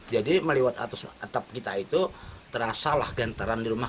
jadi meliwat atap kita itu terasa lah gentaran di rumah